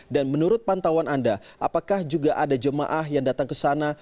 dan menurut pantauan anda apakah juga ada jemaah yang datang ke sana